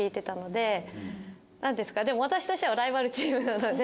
でも私としてはライバルチームなので。